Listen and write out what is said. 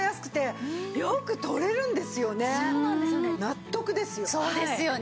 納得ですよ。